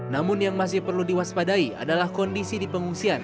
namun yang masih perlu diwaspadai adalah kondisi di pengungsian